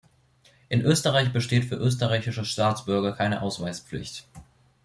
In Österreich besteht für österreichische Staatsbürger keine Ausweispflicht.